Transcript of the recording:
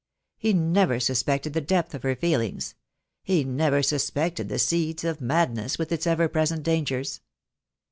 He never suspected the depth of her feelings — he never sus pected the seeds of madness, with its ever present dangers.